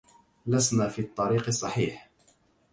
لسنا في الطّريق الصّحيح.